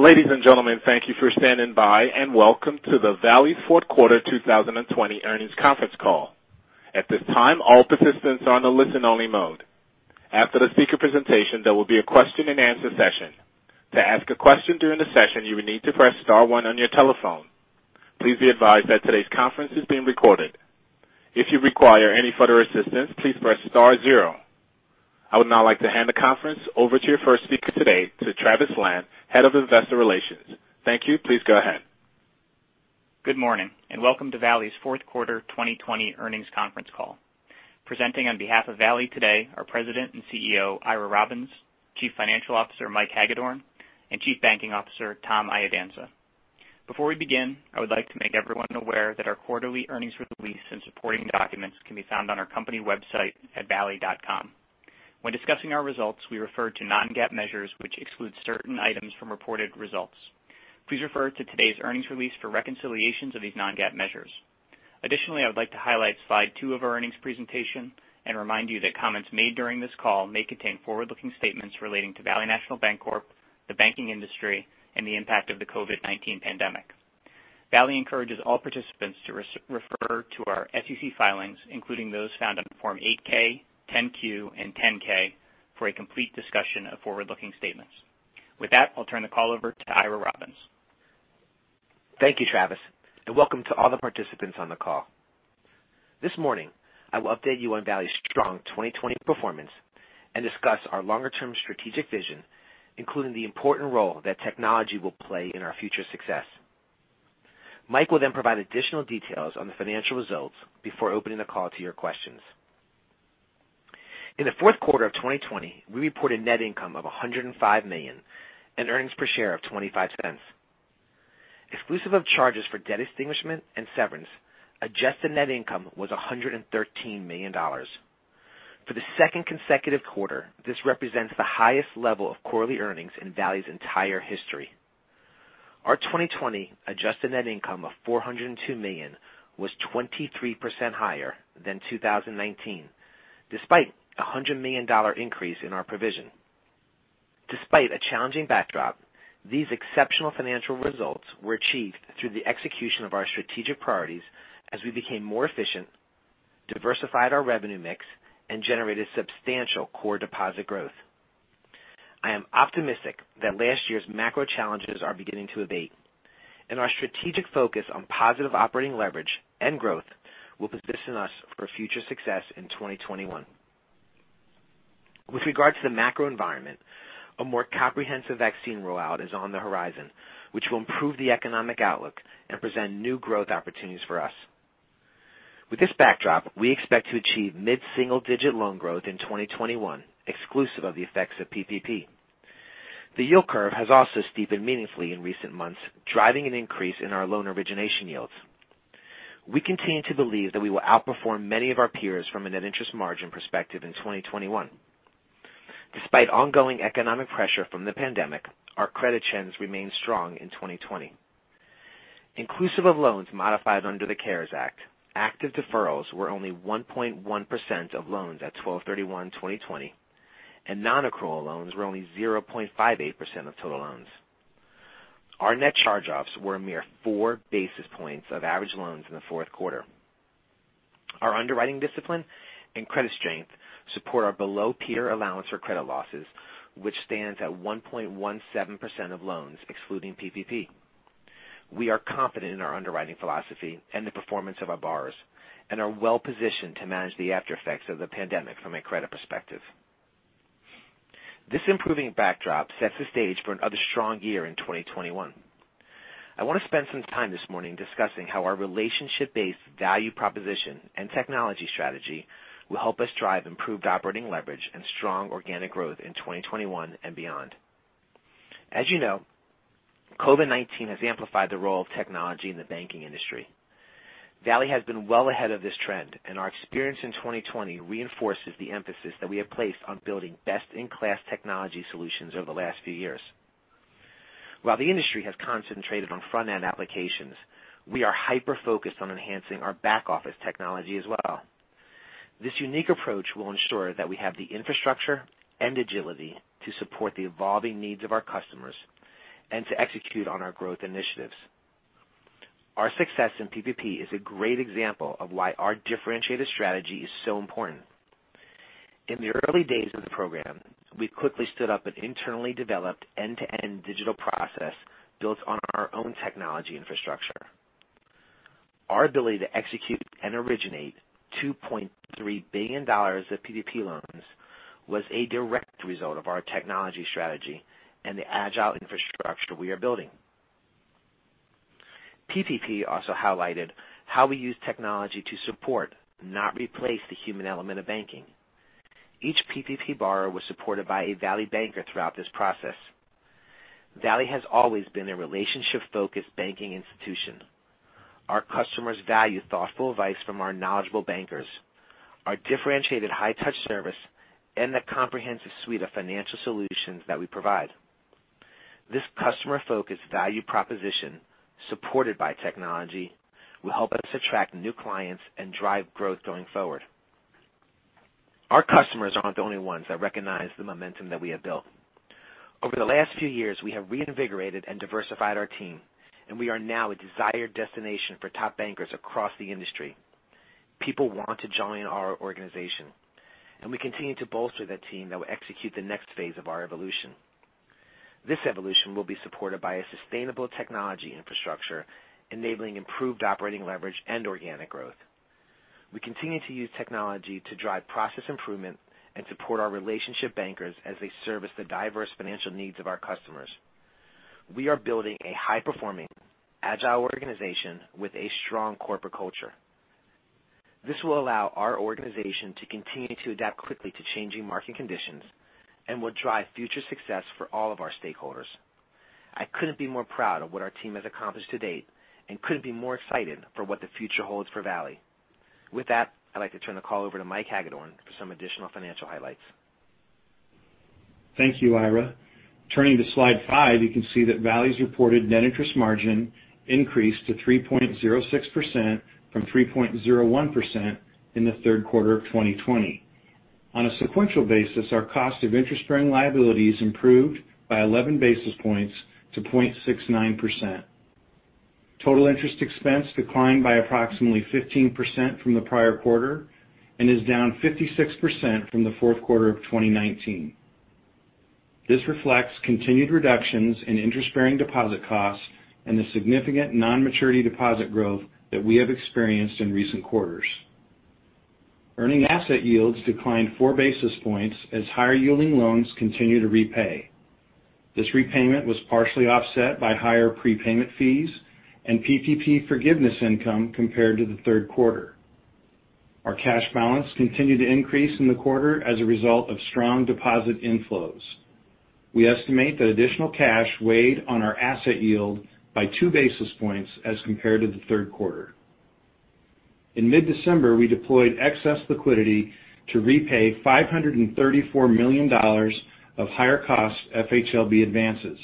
Ladies and gentlemen, thank you for standing by, and welcome to the Valley fourth quarter 2020 earnings conference call. At this time, all participants are on a listen-only mode. After the speaker presentation, there will be a question and answer session. To ask a question during the session, you will need to press star one on your telephone. Please be advised that today's conference is being recorded. If you require any further assistance, please press star zero. I would now like to hand the conference over to your first speaker today, to Travis Lan, Head of Investor Relations. Thank you. Please go ahead. Good morning, welcome to Valley's fourth quarter 2020 earnings conference call. Presenting on behalf of Valley today are President and CEO, Ira Robbins, Chief Financial Officer, Mike Hagedorn, and Chief Banking Officer, Tom Iadanza. Before we begin, I would like to make everyone aware that our quarterly earnings release and supporting documents can be found on our company website at valley.com. When discussing our results, we refer to non-GAAP measures, which exclude certain items from reported results. Please refer to today's earnings release for reconciliations of these non-GAAP measures. I would like to highlight slide two of our earnings presentation and remind you that comments made during this call may contain forward-looking statements relating to Valley National Bancorp, the banking industry, and the impact of the COVID-19 pandemic. Valley encourages all participants to refer to our SEC filings, including those found on Form 8-K, 10-Q, and 10-K, for a complete discussion of forward-looking statements. With that, I'll turn the call over to Ira Robbins. Thank you, Travis, and welcome to all the participants on the call. This morning, I will update you on Valley's strong 2020 performance and discuss our longer-term strategic vision, including the important role that technology will play in our future success. Mike will then provide additional details on the financial results before opening the call to your questions. In the fourth quarter of 2020, we reported net income of $105 million and earnings per share of $0.25. Exclusive of charges for debt extinguishment and severance, adjusted net income was $113 million. For the second consecutive quarter, this represents the highest level of quarterly earnings in Valley's entire history. Our 2020 adjusted net income of $402 million was 23% higher than 2019, despite a $100 million increase in our provision. Despite a challenging backdrop, these exceptional financial results were achieved through the execution of our strategic priorities as we became more efficient, diversified our revenue mix, and generated substantial core deposit growth. I am optimistic that last year's macro challenges are beginning to abate, and our strategic focus on positive operating leverage and growth will position us for future success in 2021. With regard to the macro environment, a more comprehensive vaccine rollout is on the horizon, which will improve the economic outlook and present new growth opportunities for us. With this backdrop, we expect to achieve mid-single-digit loan growth in 2021, exclusive of the effects of PPP. The yield curve has also steepened meaningfully in recent months, driving an increase in our loan origination yields. We continue to believe that we will outperform many of our peers from a net interest margin perspective in 2021. Despite ongoing economic pressure from the pandemic, our credit trends remain strong in 2020. Inclusive of loans modified under the CARES Act, active deferrals were only 1.1% of loans at 12/31/2020, and non-accrual loans were only 0.58% of total loans. Our net charge-offs were a mere four basis points of average loans in the fourth quarter. Our underwriting discipline and credit strength support our below-peer allowance for credit losses, which stands at 1.17% of loans excluding PPP. We are confident in our underwriting philosophy and the performance of our borrowers and are well-positioned to manage the aftereffects of the pandemic from a credit perspective. This improving backdrop sets the stage for another strong year in 2021. I want to spend some time this morning discussing how our relationship-based value proposition and technology strategy will help us drive improved operating leverage and strong organic growth in 2021 and beyond. As you know, COVID-19 has amplified the role of technology in the banking industry. Valley has been well ahead of this trend, and our experience in 2020 reinforces the emphasis that we have placed on building best-in-class technology solutions over the last few years. While the industry has concentrated on front-end applications, we are hyper-focused on enhancing our back-office technology as well. This unique approach will ensure that we have the infrastructure and agility to support the evolving needs of our customers and to execute on our growth initiatives. Our success in PPP is a great example of why our differentiated strategy is so important. In the early days of the program, we quickly stood up an internally developed end-to-end digital process built on our own technology infrastructure. Our ability to execute and originate $2.3 billion of PPP loans was a direct result of our technology strategy and the agile infrastructure we are building. PPP also highlighted how we use technology to support, not replace, the human element of banking. Each PPP borrower was supported by a Valley banker throughout this process. Valley has always been a relationship-focused banking institution. Our customers value thoughtful advice from our knowledgeable bankers, our differentiated high-touch service, and the comprehensive suite of financial solutions that we provide. This customer-focused value proposition, supported by technology, will help us attract new clients and drive growth going forward. Our customers aren't the only ones that recognize the momentum that we have built. Over the last few years, we have reinvigorated and diversified our team, and we are now a desired destination for top bankers across the industry. People want to join our organization, and we continue to bolster that team that will execute the next phase of our evolution. This evolution will be supported by a sustainable technology infrastructure, enabling improved operating leverage and organic growth. We continue to use technology to drive process improvement and support our relationship bankers as they service the diverse financial needs of our customers. We are building a high-performing, agile organization with a strong corporate culture. This will allow our organization to continue to adapt quickly to changing market conditions and will drive future success for all of our stakeholders. I couldn't be more proud of what our team has accomplished to date and couldn't be more excited for what the future holds for Valley. With that, I'd like to turn the call over to Mike Hagedorn for some additional financial highlights. Thank you, Ira. Turning to slide five, you can see that Valley's reported net interest margin increased to 3.06% from 3.01% in the third quarter of 2020. On a sequential basis, our cost of interest-bearing liabilities improved by 11 basis points to 0.69%. Total interest expense declined by approximately 15% from the prior quarter and is down 56% from the fourth quarter of 2019. This reflects continued reductions in interest-bearing deposit costs and the significant non-maturity deposit growth that we have experienced in recent quarters. Earning asset yields declined four basis points as higher-yielding loans continue to repay. This repayment was partially offset by higher prepayment fees and PPP forgiveness income compared to the third quarter. Our cash balance continued to increase in the quarter as a result of strong deposit inflows. We estimate that additional cash weighed on our asset yield by two basis points as compared to the third quarter. In mid-December, we deployed excess liquidity to repay $534 million of higher-cost FHLB advances.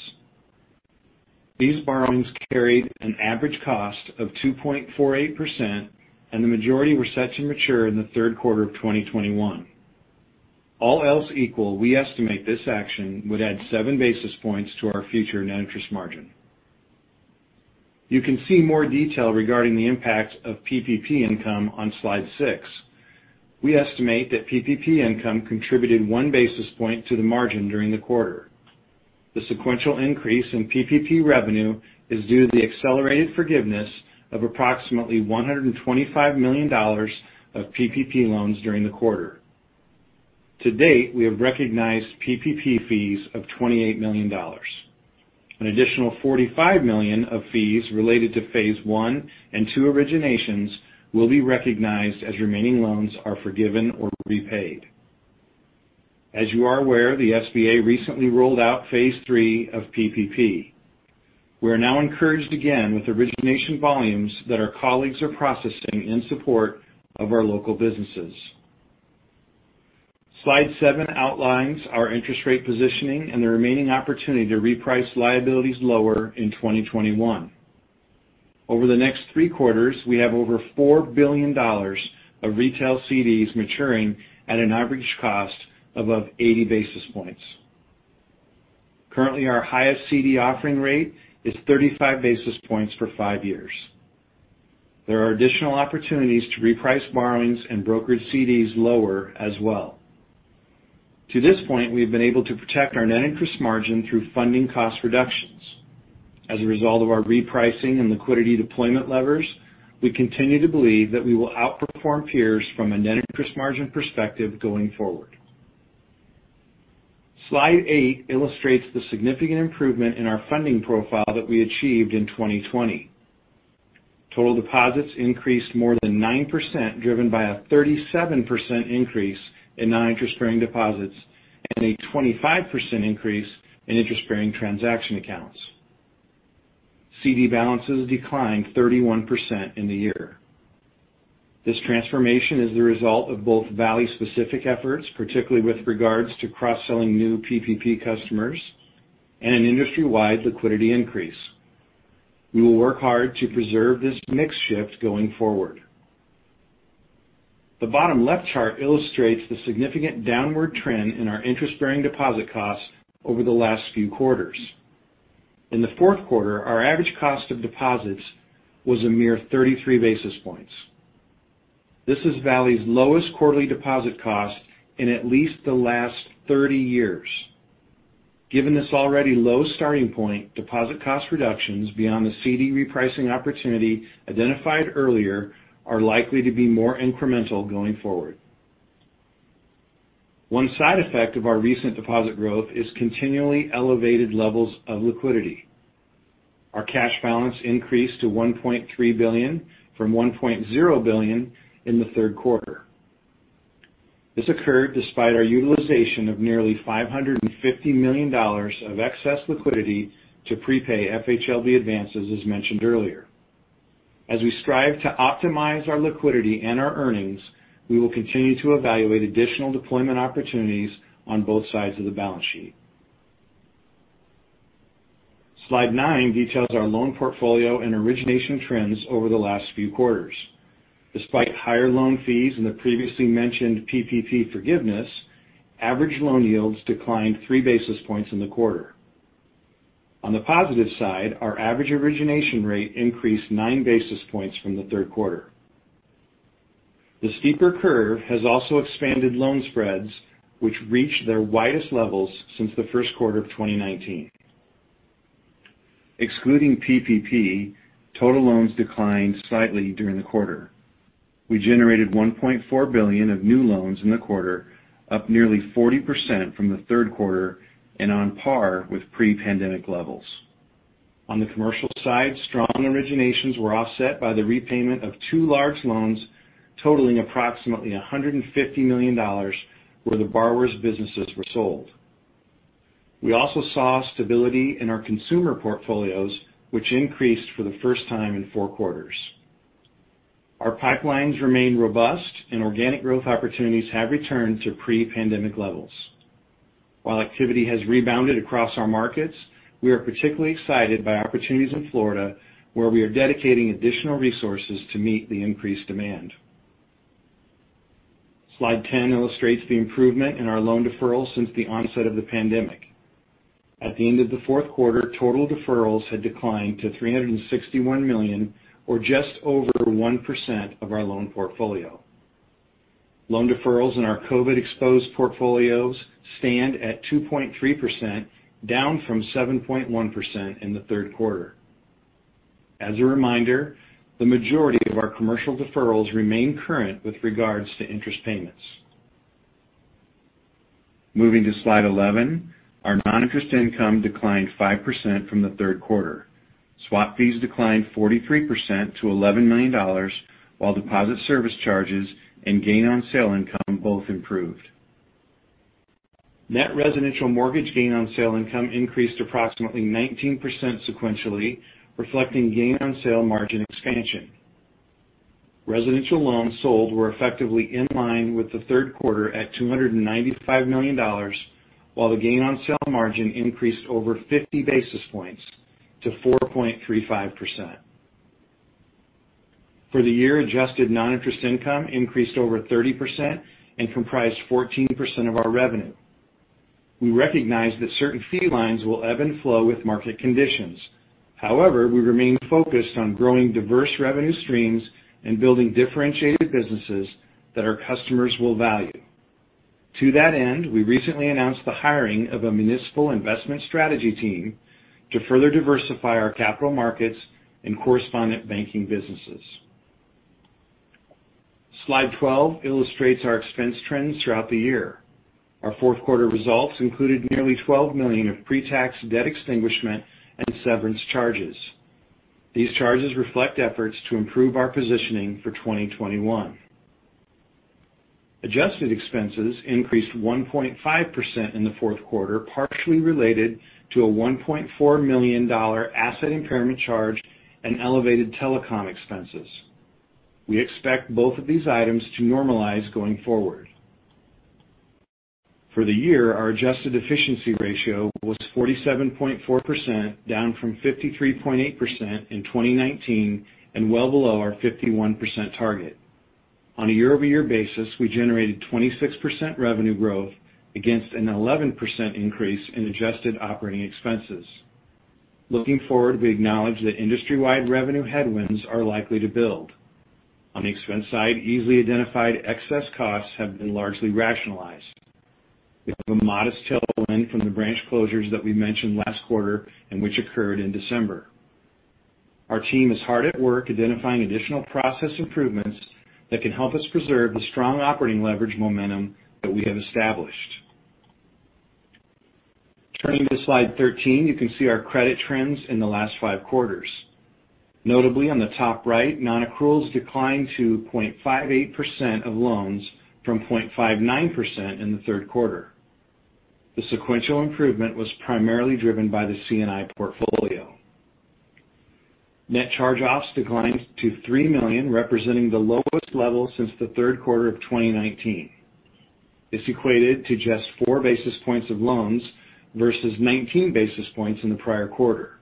These borrowings carried an average cost of 2.48%, and the majority were set to mature in the third quarter of 2021. All else equal, we estimate this action would add seven basis points to our future net interest margin. You can see more detail regarding the impact of PPP income on slide six. We estimate that PPP income contributed one basis point to the margin during the quarter. The sequential increase in PPP revenue is due to the accelerated forgiveness of approximately $125 million of PPP loans during the quarter. To date, we have recognized PPP fees of $28 million. An additional $45 million of fees related to phase one and two originations will be recognized as remaining loans are forgiven or repaid. As you are aware, the SBA recently rolled out phase three of PPP. We are now encouraged again with origination volumes that our colleagues are processing in support of our local businesses. Slide seven outlines our net interest rate positioning and the remaining opportunity to reprice liabilities lower in 2021. Over the next three quarters, we have over $4 billion of retail CDs maturing at an average cost above 80 basis points. Currently, our highest CD offering rate is 35 basis points for five years. There are additional opportunities to reprice borrowings and brokered CDs lower as well. To this point, we have been able to protect our net interest margin through funding cost reductions. As a result of our repricing and liquidity deployment levers, we continue to believe that we will outperform peers from a net interest margin perspective going forward. Slide eight illustrates the significant improvement in our funding profile that we achieved in 2020. Total deposits increased more than 9%, driven by a 37% increase in non-interest-bearing deposits and a 25% increase in interest-bearing transaction accounts. CD balances declined 31% in the year. This transformation is the result of both Valley-specific efforts, particularly with regards to cross-selling new PPP customers, and an industry-wide liquidity increase. We will work hard to preserve this mix shift going forward. The bottom left chart illustrates the significant downward trend in our interest-bearing deposit costs over the last few quarters. In the fourth quarter, our average cost of deposits was a mere 33 basis points. This is Valley's lowest quarterly deposit cost in at least the last 30 years. Given this already low starting point, deposit cost reductions beyond the CD repricing opportunity identified earlier are likely to be more incremental going forward. One side effect of our recent deposit growth is continually elevated levels of liquidity. Our cash balance increased to $1.3 billion from $1.0 billion in the third quarter. This occurred despite our utilization of nearly $550 million of excess liquidity to prepay FHLB advances, as mentioned earlier. As we strive to optimize our liquidity and our earnings, we will continue to evaluate additional deployment opportunities on both sides of the balance sheet. Slide nine details our loan portfolio and origination trends over the last few quarters. Despite higher loan fees and the previously mentioned PPP forgiveness, average loan yields declined three basis points in the quarter. On the positive side, our average origination rate increased nine basis points from the third quarter. The steeper curve has also expanded loan spreads, which reached their widest levels since the first quarter of 2019. Excluding PPP, total loans declined slightly during the quarter. We generated $1.4 billion of new loans in the quarter, up nearly 40% from the third quarter and on par with pre-pandemic levels. On the commercial side, strong originations were offset by the repayment of two large loans totaling approximately $150 million, where the borrowers' businesses were sold. We also saw stability in our consumer portfolios, which increased for the first time in four quarters. Our pipelines remain robust and organic growth opportunities have returned to pre-pandemic levels. While activity has rebounded across our markets, we are particularly excited by opportunities in Florida, where we are dedicating additional resources to meet the increased demand. Slide 10 illustrates the improvement in our loan deferrals since the onset of the pandemic. At the end of the fourth quarter, total deferrals had declined to $361 million, or just over 1% of our loan portfolio. Loan deferrals in our COVID-exposed portfolios stand at 2.3%, down from 7.1% in the third quarter. As a reminder, the majority of our commercial deferrals remain current with regards to interest payments. Moving to Slide 11, our non-interest income declined 5% from the third quarter. Swap fees declined 43% to $11 million, while deposit service charges and gain-on-sale income both improved. Net residential mortgage gain on sale income increased approximately 19% sequentially, reflecting gain on sale margin expansion. Residential loans sold were effectively in line with the third quarter at $295 million, while the gain-on-sale margin increased over 50 basis points to 4.35%. For the year, adjusted non-interest income increased over 30% and comprised 14% of our revenue. We recognize that certain fee lines will ebb and flow with market conditions. However, we remain focused on growing diverse revenue streams and building differentiated businesses that our customers will value. To that end, we recently announced the hiring of a municipal investment strategy team to further diversify our capital markets and correspondent banking businesses. Slide 12 illustrates our expense trends throughout the year. Our fourth quarter results included nearly $12 million of pre-tax debt extinguishment and severance charges. These charges reflect efforts to improve our positioning for 2021. Adjusted expenses increased 1.5% in the fourth quarter, partially related to a $1.4 million asset impairment charge and elevated telecom expenses. We expect both of these items to normalize going forward. For the year, our adjusted efficiency ratio was 47.4%, down from 53.8% in 2019 and well below our 51% target. On a year-over-year basis, we generated 26% revenue growth against an 11% increase in adjusted operating expenses. Looking forward, we acknowledge that industry-wide revenue headwinds are likely to build. On the expense side, easily identified excess costs have been largely rationalized. We have a modest tailwind from the branch closures that we mentioned last quarter and which occurred in December. Our team is hard at work identifying additional process improvements that can help us preserve the strong operating leverage momentum that we have established. Turning to slide 13, you can see our credit trends in the last five quarters. Notably, on the top right, non-accruals declined to 0.58% of loans from 0.59% in the third quarter. The sequential improvement was primarily driven by the C&I portfolio. Net charge-offs declined to $3 million, representing the lowest level since the third quarter of 2019. This equated to just four basis points of loans versus 19 basis points in the prior quarter.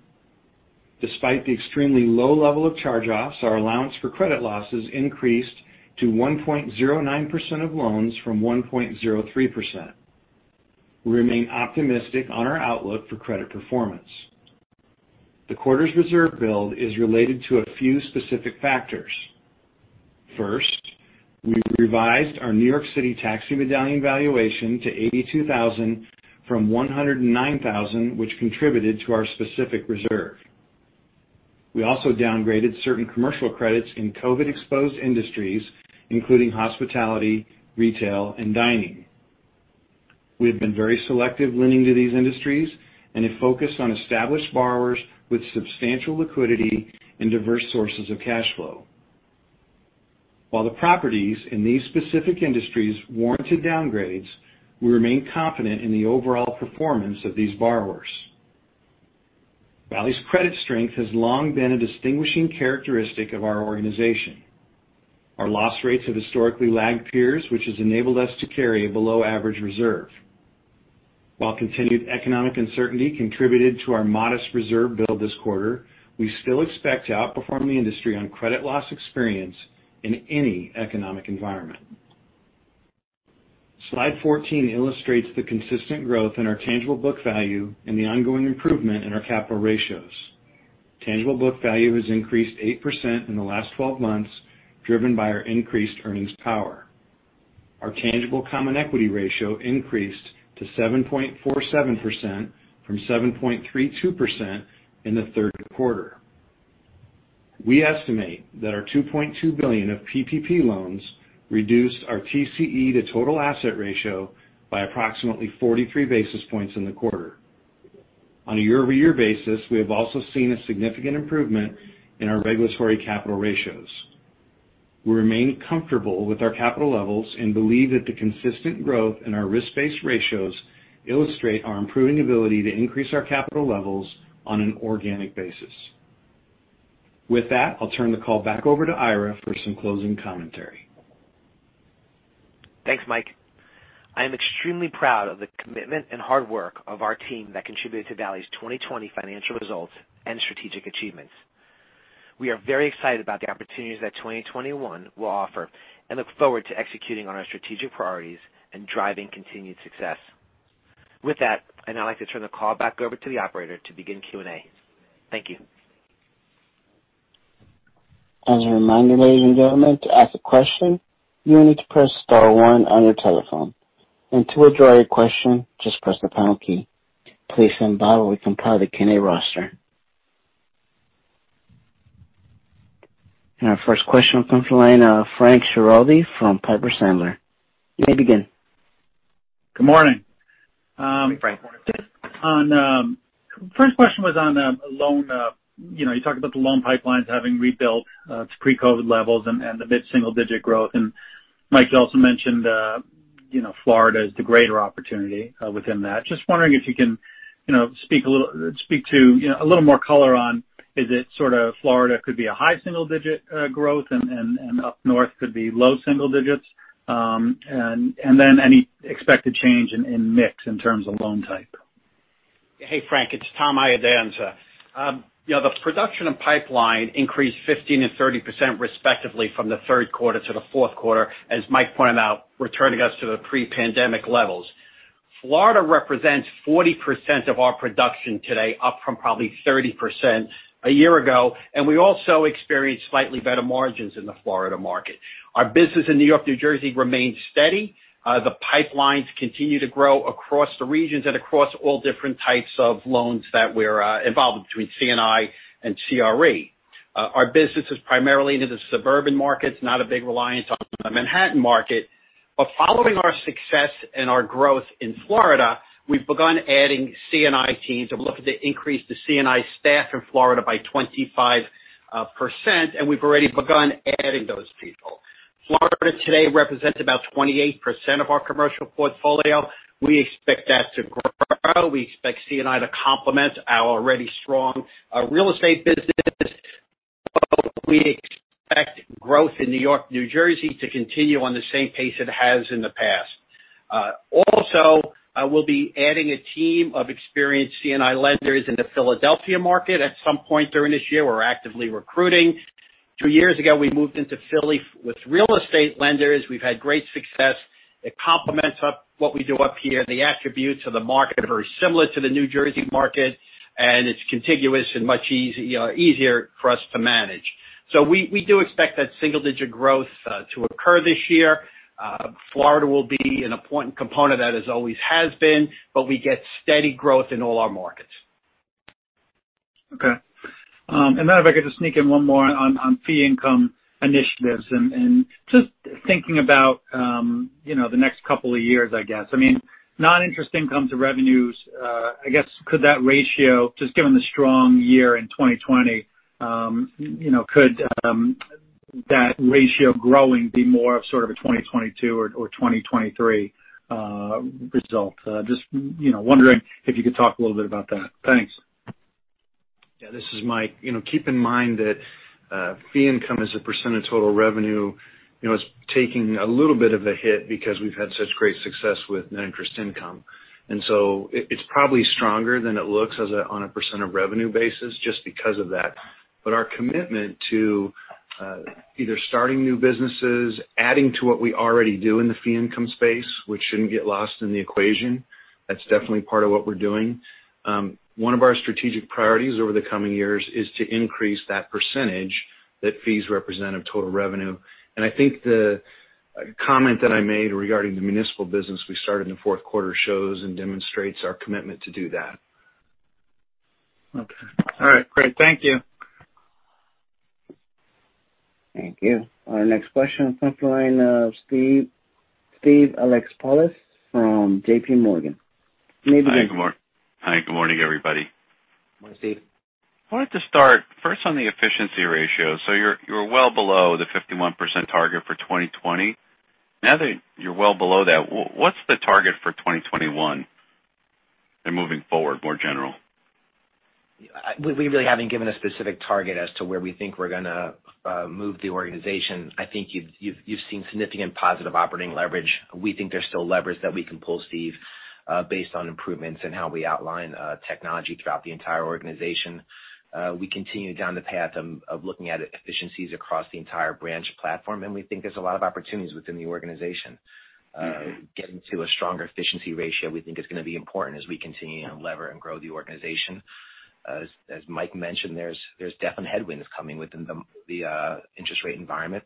Despite the extremely low level of charge-offs, our allowance for credit losses increased to 1.09% of loans from 1.03%. We remain optimistic on our outlook for credit performance. The quarter's reserve build is related to a few specific factors. First, we revised our New York City taxi medallion valuation to $82,000 from $109,000, which contributed to our specific reserve. We also downgraded certain commercial credits in COVID-exposed industries, including hospitality, retail, and dining. We have been very selective lending to these industries and have focused on established borrowers with substantial liquidity and diverse sources of cash flow. While the properties in these specific industries warranted downgrades, we remain confident in the overall performance of these borrowers. Valley's credit strength has long been a distinguishing characteristic of our organization. Our loss rates have historically lagged peers, which has enabled us to carry a below-average reserve. While continued economic uncertainty contributed to our modest reserve build this quarter, we still expect to outperform the industry on credit loss experience in any economic environment. Slide 14 illustrates the consistent growth in our tangible book value and the ongoing improvement in our capital ratios. Tangible book value has increased 8% in the last 12 months, driven by our increased earnings power. Our tangible common equity ratio increased to 7.47% from 7.32% in the third quarter. We estimate that our $2.2 billion of PPP loans reduced our TCE to total asset ratio by approximately 43 basis points in the quarter. On a year-over-year basis, we have also seen a significant improvement in our regulatory capital ratios. We remain comfortable with our capital levels and believe that the consistent growth in our risk-based ratios illustrate our improving ability to increase our capital levels on an organic basis. With that, I'll turn the call back over to Ira for some closing commentary. Thanks, Mike. I am extremely proud of the commitment and hard work of our team that contributed to Valley's 2020 financial results and strategic achievements. We are very excited about the opportunities that 2021 will offer and look forward to executing on our strategic priorities and driving continued success. With that, I'd now like to turn the call back over to the operator to begin Q&A. Thank you. As a reminder, ladies and gentlemen, to ask a question, you will need to press star one on your telephone, and to withdraw your question, just press the pound key. Please stand by while we compile the Q&A roster. Our first question comes from the line of Frank Schiraldi from Piper Sandler. You may begin. Good morning. Morning, Frank. First question was on loan. You talked about the loan pipelines having rebuilt to pre-COVID-19 levels and the mid-single-digit growth. Mike, you also mentioned Florida as the greater opportunity within that. Just wondering if you can speak to a little more color on is it sort of Florida could be a high single digit growth and up north could be low single digits, and then any expected change in mix in terms of loan type. Hey, Frank, it's Tom Iadanza. The production and pipeline increased 15% and 30% respectively from the third quarter to the fourth quarter, as Mike pointed out, returning us to the pre-pandemic levels. Florida represents 40% of our production today, up from probably 30% a year ago, and we also experienced slightly better margins in the Florida market. Our business in New York, New Jersey remains steady. The pipelines continue to grow across the regions and across all different types of loans that we're involved between C&I and CRE. Our business is primarily into the suburban markets, not a big reliance on the Manhattan market. Following our success and our growth in Florida, we've begun adding C&I teams and we're looking to increase the C&I staff in Florida by 25%, and we've already begun adding those people. Florida today represents about 28% of our commercial portfolio. We expect that to grow. We expect C&I to complement our already strong real estate business. We expect growth in New York, New Jersey to continue on the same pace it has in the past. Also, we'll be adding a team of experienced C&I lenders in the Philadelphia market at some point during this year. We're actively recruiting. Two years ago, we moved into Philly with real estate lenders. We've had great success. It complements up what we do up here. The attributes of the market are very similar to the New Jersey market, and it's contiguous and much easier for us to manage. We do expect that single-digit growth to occur this year. Florida will be an important component of that as always has been, but we get steady growth in all our markets. Okay. If I could just sneak in one more on fee income initiatives and just thinking about the next couple of years, I guess. Non-interest income to revenues, I guess, could that ratio, just given the strong year in 2020, could that ratio growing be more of sort of a 2022 or 2023 result? Just wondering if you could talk a little bit about that. Thanks. Yeah. This is Mike. Keep in mind that fee income as a % of total revenue is taking a little bit of a hit because we've had such great success with net interest income. It's probably stronger than it looks on a % of revenue basis just because of that. Our commitment to either starting new businesses, adding to what we already do in the fee income space, which shouldn't get lost in the equation, that's definitely part of what we're doing. One of our strategic priorities over the coming years is to increase that percentage that fees represent of total revenue. I think the comment that I made regarding the municipal business we started in the fourth quarter shows and demonstrates our commitment to do that. Okay. All right, great. Thank you. Thank you. Our next question comes from the line of Steve Alexopoulos from JPMorgan. You may begin. Hi, good morning, everybody. Morning, Steve. I wanted to start first on the efficiency ratio. You're well below the 51% target for 2020. Now that you're well below that, what's the target for 2021 and moving forward, more general? We really haven't given a specific target as to where we think we're going to move the organization. I think you've seen significant positive operating leverage. We think there's still leverage that we can pull, Steve, based on improvements in how we outline technology throughout the entire organization. We continue down the path of looking at efficiencies across the entire branch platform. We think there's a lot of opportunities within the organization. Getting to a stronger efficiency ratio we think is going to be important as we continue to lever and grow the organization. As Mike mentioned, there's definite headwinds coming within the interest rate environment.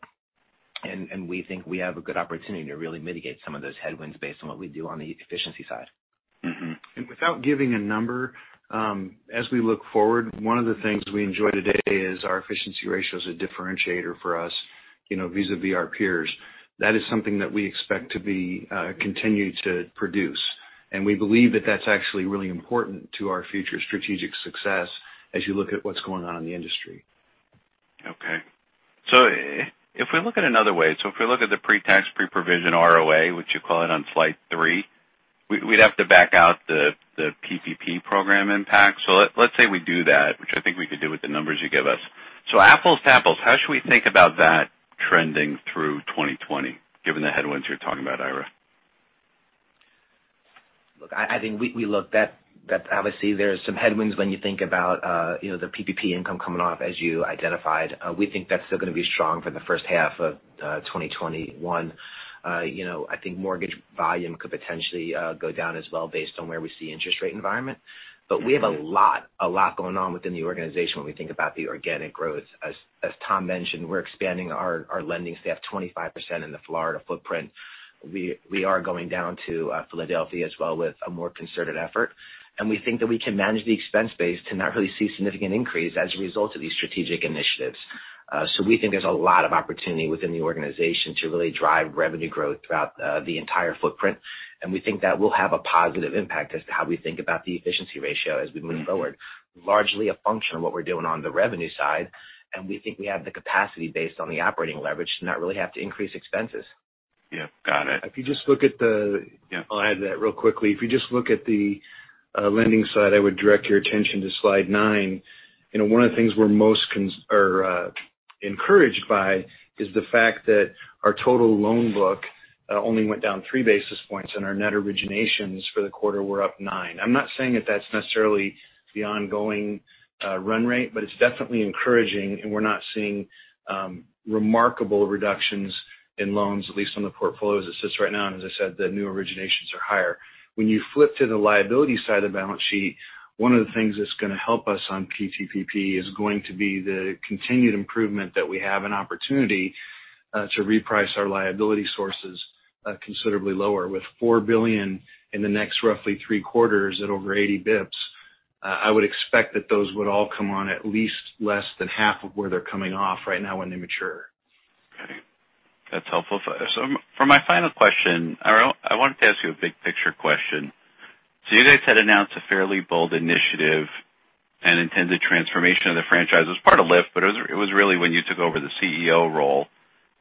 We think we have a good opportunity to really mitigate some of those headwinds based on what we do on the efficiency side. Without giving a number, as we look forward, one of the things we enjoy today is our efficiency ratio is a differentiator for us vis-a-vis our peers. That is something that we expect to continue to produce. We believe that that's actually really important to our future strategic success as you look at what's going on in the industry. Okay. If we look at another way, so if we look at the pre-tax, pre-provision ROA, which you call it on slide three, we'd have to back out the PPP program impact. Let's say we do that, which I think we could do with the numbers you give us. Apples to apples, how should we think about that trending through 2020, given the headwinds you're talking about, Ira? Look, I think we look. Obviously, there are some headwinds when you think about the PPP income coming off, as you identified. We think that's still going to be strong for the first half of 2021. I think mortgage volume could potentially go down as well based on where we see interest rate environment. We have a lot going on within the organization when we think about the organic growth. As Tom mentioned, we're expanding our lending staff 25% in the Florida footprint. We are going down to Philadelphia as well with a more concerted effort. We think that we can manage the expense base to not really see significant increase as a result of these strategic initiatives. We think there's a lot of opportunity within the organization to really drive revenue growth throughout the entire footprint. We think that will have a positive impact as to how we think about the efficiency ratio as we move forward, largely a function of what we're doing on the revenue side. We think we have the capacity based on the operating leverage to not really have to increase expenses. Yeah. Got it. If you just look at the- Yeah. I'll add to that real quickly. If you just look at the lending side, I would direct your attention to slide nine. One of the things we're most encouraged by is the fact that our total loan book only went down three basis points, and our net originations for the quarter were up nine. I'm not saying that that's necessarily the ongoing run rate, but it's definitely encouraging, and we're not seeing remarkable reductions in loans, at least on the portfolio as it sits right now. As I said, the new originations are higher. When you flip to the liability side of the balance sheet, one of the things that's going to help us on PTPP is going to be the continued improvement that we have an opportunity to reprice our liability sources considerably lower. With $4 billion in the next roughly three quarters at over 80 basis points, I would expect that those would all come on at least less than half of where they're coming off right now when they mature. Okay. That's helpful. For my final question, Ira, I wanted to ask you a big picture question. You guys had announced a fairly bold initiative, an intended transformation of the franchise. It was part of LIFT, but it was really when you took over the CEO role.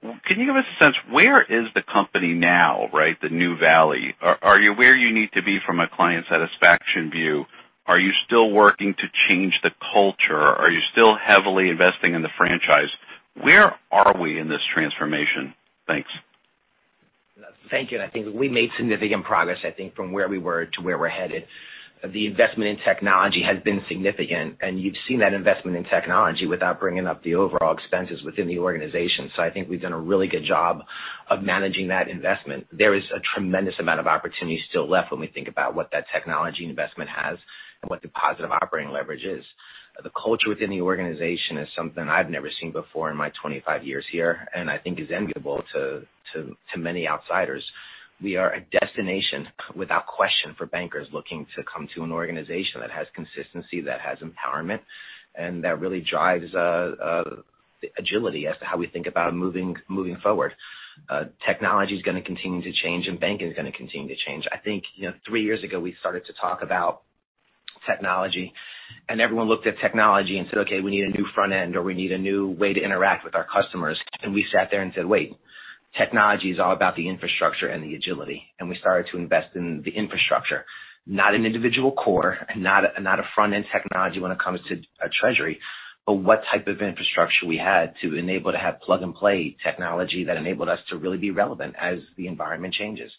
Can you give us a sense, where is the company now, right? The new Valley. Are you where you need to be from a client satisfaction view? Are you still working to change the culture? Are you still heavily investing in the franchise? Where are we in this transformation? Thanks. Thank you. I think we made significant progress, I think from where we were to where we're headed. The investment in technology has been significant, and you've seen that investment in technology without bringing up the overall expenses within the organization. I think we've done a really good job of managing that investment. There is a tremendous amount of opportunity still left when we think about what that technology investment has and what the positive operating leverage is. The culture within the organization is something I've never seen before in my 25 years here, and I think is enviable to many outsiders. We are a destination, without question, for bankers looking to come to an organization that has consistency, that has empowerment, and that really drives agility as to how we think about moving forward. Technology's going to continue to change and banking is going to continue to change. I think three years ago, we started to talk about technology. Everyone looked at technology and said, "Okay, we need a new front end," or, "We need a new way to interact with our customers." We sat there and said, "Wait. Technology is all about the infrastructure and the agility." We started to invest in the infrastructure, not an individual core, not a front-end technology when it comes to treasury, but what type of infrastructure we had to enable to have plug-and-play technology that enabled us to really be relevant as the environment changes.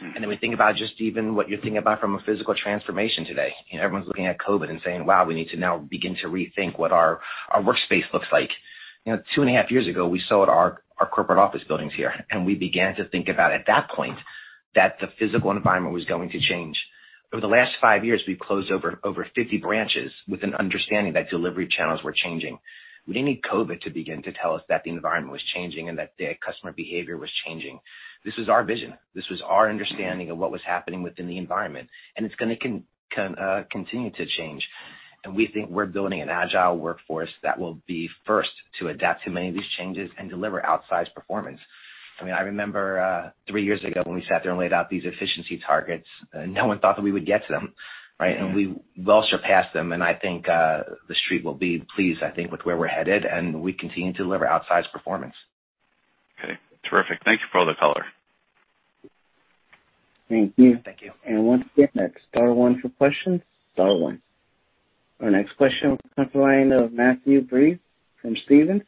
Then we think about just even what you're thinking about from a physical transformation today. Everyone's looking at COVID and saying, "Wow, we need to now begin to rethink what our workspace looks like." Two and a half years ago, we sold our corporate office buildings here, and we began to think about at that point that the physical environment was going to change. Over the last five years, we've closed over 50 branches with an understanding that delivery channels were changing. We didn't need COVID to begin to tell us that the environment was changing and that customer behavior was changing. This was our vision. This was our understanding of what was happening within the environment, and it's going to continue to change. We think we're building an agile workforce that will be first to adapt to many of these changes and deliver outsized performance. I mean, I remember three years ago when we sat there and laid out these efficiency targets, no one thought that we would get to them, right? We well surpassed them, and I think the Street will be pleased, I think, with where we're headed, and we continue to deliver outsized performance. Okay. Terrific. Thank you for all the color. Thank you. Thank you. Once again, next, star one for questions. Star one. Our next question comes from the line of Matthew Breese from Stephens.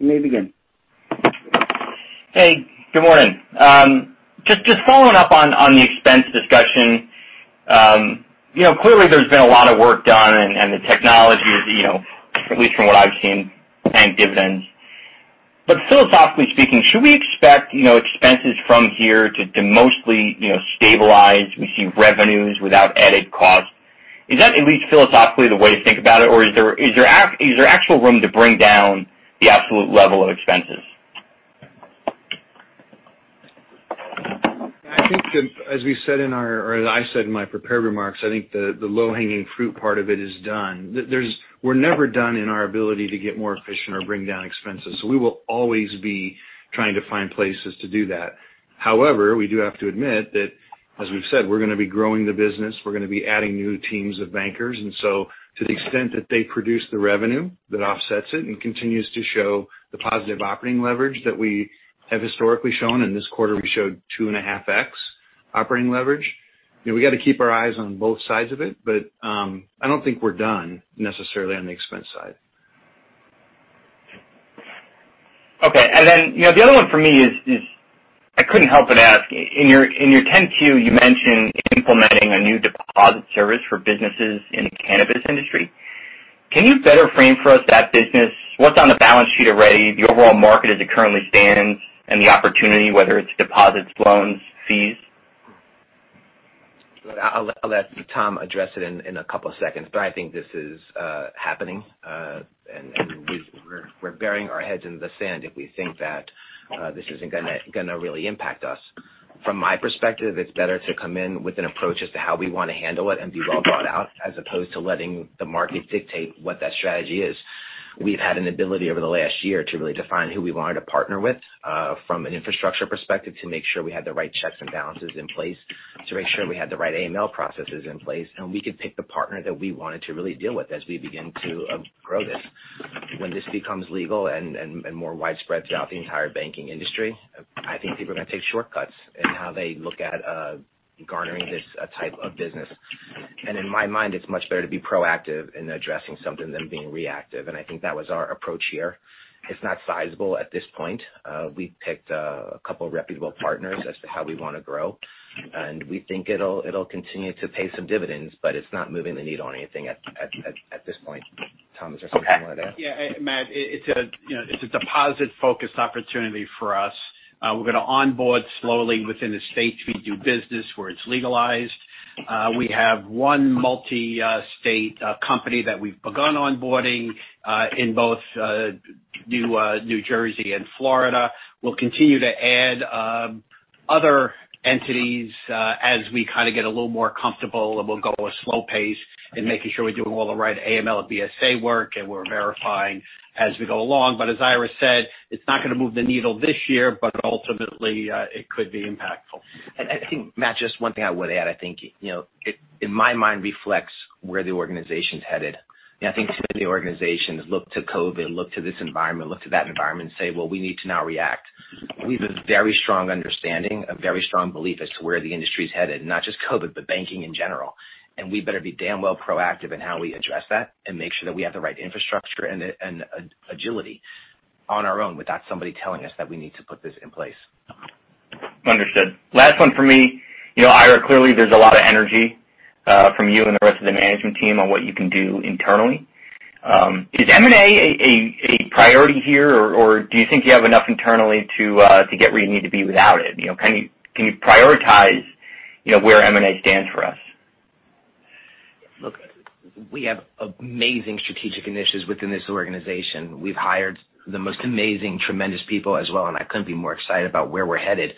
You may begin. Hey, good morning. Just following up on the expense discussion. Clearly there's been a lot of work done, and the technology is, at least from what I've seen, paying dividends. Philosophically speaking, should we expect expenses from here to mostly stabilize? We see revenues without added cost. Is that at least philosophically the way to think about it, or is there actual room to bring down the absolute level of expenses? I think that as we said in our-- or as I said in my prepared remarks, I think the low-hanging fruit part of it is done. We're never done in our ability to get more efficient or bring down expenses. We will always be trying to find places to do that. However, we do have to admit that, as we've said, we're going to be growing the business. We're going to be adding new teams of bankers, to the extent that they produce the revenue, that offsets it and continues to show the positive operating leverage that we have historically shown. In this quarter, we showed 2.5x operating leverage. We got to keep our eyes on both sides of it, I don't think we're done necessarily on the expense side. Okay. The other one for me is, I couldn't help but ask. In your 10-Q, you mentioned implementing a new deposit service for businesses in the cannabis industry. Can you better frame for us that business? What's on the balance sheet already, the overall market as it currently stands, and the opportunity, whether it's deposits, loans, fees? I'll let Tom address it in a couple of seconds. I think this is happening. We're burying our heads in the sand if we think that this isn't going to really impact us. From my perspective, it's better to come in with an approach as to how we want to handle it and be well thought out, as opposed to letting the market dictate what that strategy is. We've had an ability over the last year to really define who we wanted to partner with from an infrastructure perspective to make sure we had the right checks and balances in place, to make sure we had the right AML processes in place, and we could pick the partner that we wanted to really deal with as we begin to grow this. When this becomes legal and more widespread throughout the entire banking industry, I think people are going to take shortcuts in how they look at garnering this type of business. In my mind, it's much better to be proactive in addressing something than being reactive, and I think that was our approach here. It's not sizable at this point. We've picked a couple of reputable partners as to how we want to grow. We think it'll continue to pay some dividends, but it's not moving the needle on anything at this point. Tom, is there something you want to add? Yeah. Matt, it's a deposit-focused opportunity for us. We're going to onboard slowly within the states we do business where it's legalized. We have one multi-state company that we've begun onboarding in both New Jersey and Florida. We'll continue to add other entities as we kind of get a little more comfortable, and we'll go a slow pace in making sure we're doing all the right AML and BSA work, and we're verifying as we go along. As Ira said, it's not going to move the needle this year, but ultimately, it could be impactful. I think, Matt, just one thing I would add. I think it, in my mind, reflects where the organization's headed. I think some of the organizations look to COVID, look to this environment, look to that environment and say, "Well, we need to now react." We have a very strong understanding, a very strong belief as to where the industry is headed. Not just COVID, but banking in general. We better be damn well proactive in how we address that and make sure that we have the right infrastructure and agility on our own without somebody telling us that we need to put this in place. Understood. Last one for me. Ira, clearly there's a lot of energy from you and the rest of the management team on what you can do internally. Is M&A a priority here, or do you think you have enough internally to get where you need to be without it? Can you prioritize where M&A stands for us? Look, we have amazing strategic initiatives within this organization. We've hired the most amazing, tremendous people as well, and I couldn't be more excited about where we're headed.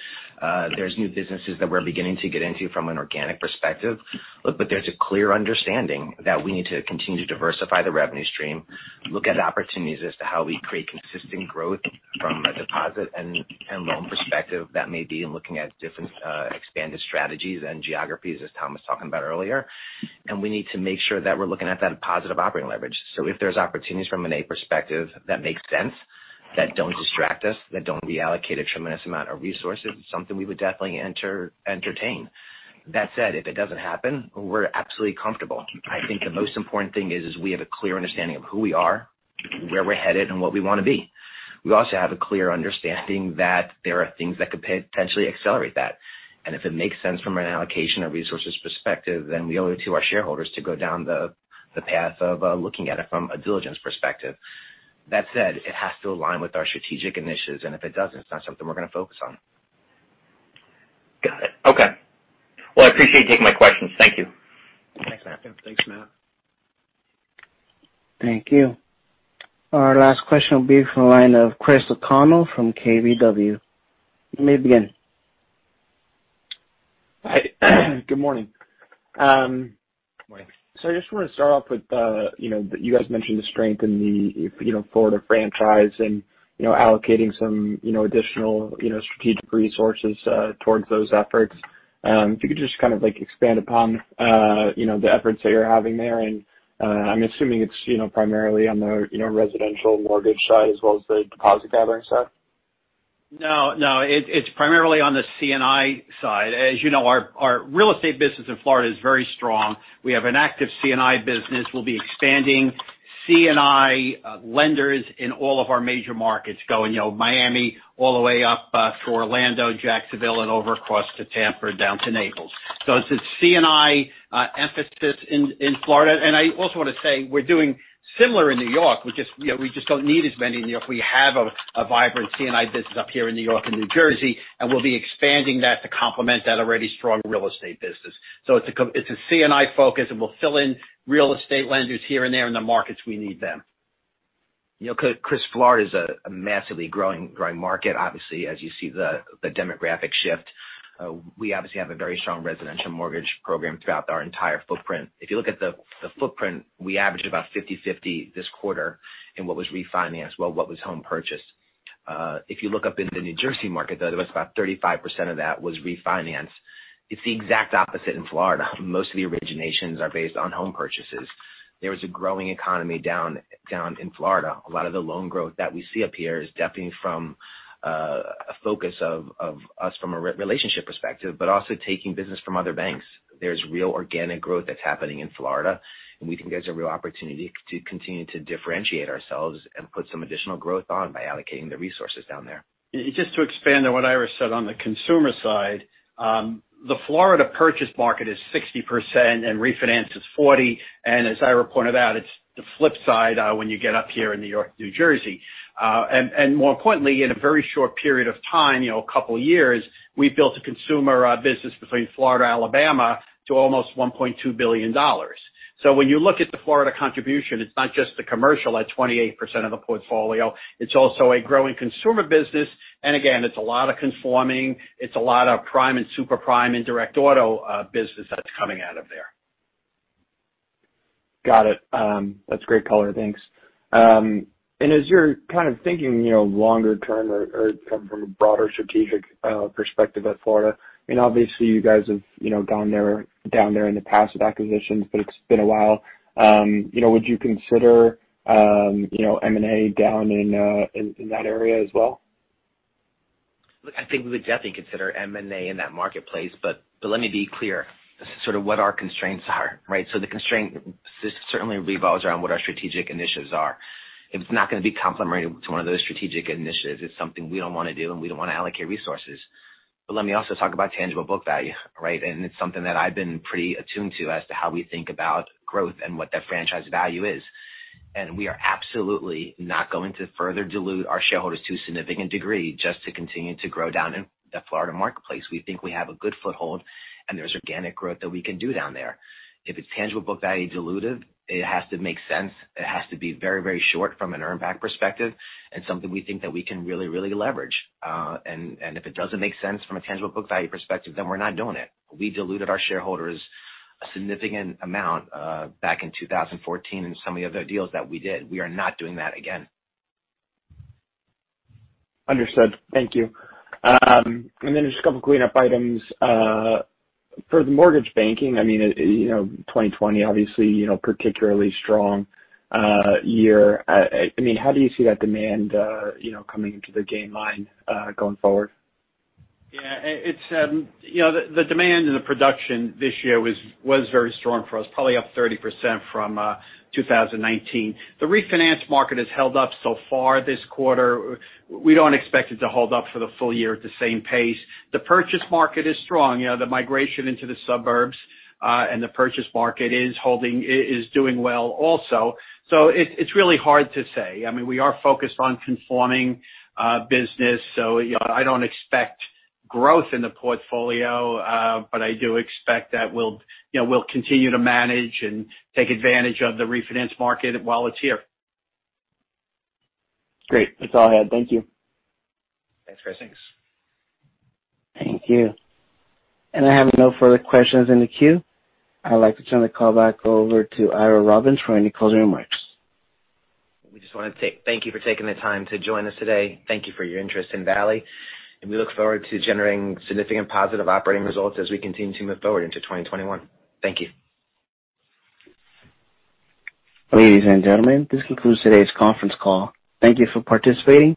There's new businesses that we're beginning to get into from an organic perspective. Look, there's a clear understanding that we need to continue to diversify the revenue stream, look at opportunities as to how we create consistent growth from a deposit and loan perspective. That may be in looking at different expanded strategies and geographies, as Tom was talking about earlier. We need to make sure that we're looking at that positive operating leverage. If there's opportunities from an M&A perspective that makes sense, that don't distract us, that don't reallocate a tremendous amount of resources, it's something we would definitely entertain. That said, if it doesn't happen, we're absolutely comfortable. I think the most important thing is we have a clear understanding of who we are, where we're headed, and what we want to be. We also have a clear understanding that there are things that could potentially accelerate that. If it makes sense from an allocation of resources perspective, then we owe it to our shareholders to go down the path of looking at it from a diligence perspective. That said, it has to align with our strategic initiatives, and if it doesn't, it's not something we're going to focus on. Got it. Okay. Well, I appreciate you taking my questions. Thank you. Thanks, Matt. Yeah. Thanks, Matt. Thank you. Our last question will be from the line of Chris O'Connell from KBW. You may begin. Hi. Good morning. Morning. I just want to start off with, you guys mentioned the strength in the Florida franchise and allocating some additional strategic resources towards those efforts. If you could just kind of expand upon the efforts that you're having there, and I'm assuming it's primarily on the residential mortgage side as well as the deposit gathering side? It's primarily on the C&I side. As you know, our real estate business in Florida is very strong. We have an active C&I business. We'll be expanding C&I lenders in all of our major markets, going Miami all the way up to Orlando, Jacksonville, and over across to Tampa, down to Naples. It's a C&I emphasis in Florida. I also want to say we're doing similar in New York. We just don't need as many in New York. We have a vibrant C&I business up here in New York and New Jersey, and we'll be expanding that to complement that already strong real estate business. It's a C&I focus, and we'll fill in real estate lenders here and there in the markets we need them. Chris, Florida is a massively growing market, obviously, as you see the demographic shift. We obviously have a very strong residential mortgage program throughout our entire footprint. If you look at the footprint, we averaged about 50/50 this quarter in what was refinanced, what was home purchased. If you look up in the New Jersey market, though, it was about 35% of that was refinance. It's the exact opposite in Florida. Most of the originations are based on home purchases. There is a growing economy down in Florida. A lot of the loan growth that we see up here is definitely from a focus of us from a relationship perspective, but also taking business from other banks. There's real organic growth that's happening in Florida, and we think there's a real opportunity to continue to differentiate ourselves and put some additional growth on by allocating the resources down there. Just to expand on what Ira said, on the consumer side, the Florida purchase market is 60% and refinance is 40%. As Ira pointed out, it's the flip side when you get up here in New York, New Jersey. More importantly, in a very short period of time, a couple of years, we've built a consumer business between Florida, Alabama to almost $1.2 billion. When you look at the Florida contribution, it's not just the commercial at 28% of the portfolio, it's also a growing consumer business. Again, it's a lot of conforming. It's a lot of prime and super prime and direct auto business that's coming out of there. Got it. That's great color. Thanks. As you're kind of thinking longer term or from a broader strategic perspective of Florida, obviously you guys have gone down there in the past with acquisitions, but it's been a while. Would you consider M&A down in that area as well? Look, I think we would definitely consider M&A in that marketplace. Let me be clear sort of what our constraints are, right? The constraint certainly revolves around what our strategic initiatives are. If it's not going to be complementary to one of those strategic initiatives, it's something we don't want to do, and we don't want to allocate resources. Let me also talk about tangible book value, right? It's something that I've been pretty attuned to as to how we think about growth and what that franchise value is. We are absolutely not going to further dilute our shareholders to a significant degree just to continue to grow down in the Florida marketplace. We think we have a good foothold and there's organic growth that we can do down there. If it's tangible book value dilutive, it has to make sense. It has to be very short from an earn back perspective and something we think that we can really leverage. If it doesn't make sense from a tangible book value perspective, then we're not doing it. We diluted our shareholders a significant amount back in 2014 in some of the other deals that we did. We are not doing that again. Understood. Thank you. Just a couple of cleanup items. For the mortgage banking, 2020, obviously particularly strong year. How do you see that demand coming into the gain line going forward? Yeah. The demand and the production this year was very strong for us, probably up 30% from 2019. The refinance market has held up so far this quarter. We don't expect it to hold up for the full year at the same pace. The purchase market is strong. The migration into the suburbs and the purchase market is doing well also. It's really hard to say. We are focused on conforming business. I don't expect growth in the portfolio. I do expect that we'll continue to manage and take advantage of the refinance market while it's here. Great. That's all I had. Thank you. Thanks, Chris. Thanks. Thank you. I have no further questions in the queue. I'd like to turn the call back over to Ira Robbins for any closing remarks. We just want to thank you for taking the time to join us today. Thank you for your interest in Valley, and we look forward to generating significant positive operating results as we continue to move forward into 2021. Thank you. Ladies and gentlemen, this concludes today's conference call. Thank you for participating.